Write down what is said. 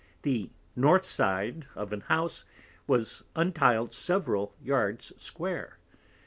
The North side of an House was untiled several Yards square.